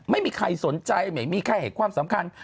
ไม่มีใครสนใจไม่มีใครให้ความสำคัญ